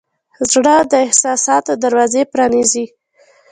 زړه د احساساتو دروازې پرانیزي.